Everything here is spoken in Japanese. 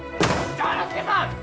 丈之助さん！